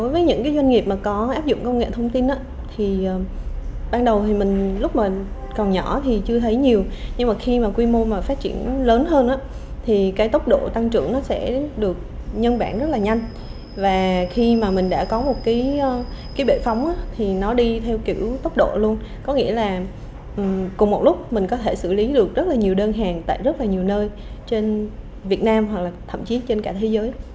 việt nam hoặc là thậm chí trên cả thế giới